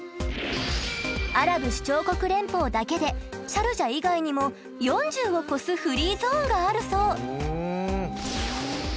アラブ首長国連邦だけでシャルジャ以外にも４０を超すフリーゾーンがあるそう。